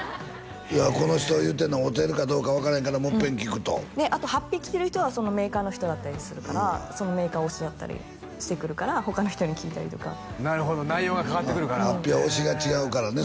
この人が言うてんの合うてるかどうか分からへんからもう一遍聞くとあと法被着てる人はそのメーカーの人だったりするからそのメーカー推しだったりしてくるから他の人に聞いたりとかなるほど内容が変わってくるから法被は推しが違うからね